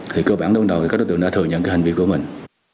thì cơ bản đối với các đối tượng đã thừa nhận hành vi của mình